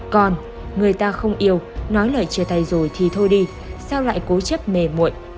còn người ta không yêu nói lời chia tay rồi thì thôi đi sao lại cố chấp mềm muộn